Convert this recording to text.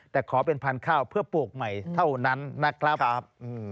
แต่ขอเป็นพันธุ์ข้าวเพื่อปลูกใหม่เท่านั้นนะครับ